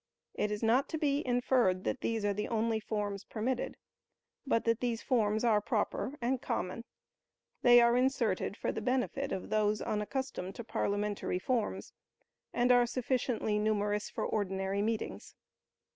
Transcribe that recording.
It is not to be inferred that these are the only forms permitted, but that these forms are proper and common. They are inserted for the benefit of those unaccustomed to parliamentary forms, and are sufficiently numerous for ordinary meetings.